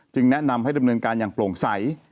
แนะนำให้ดำเนินการอย่างโปร่งใส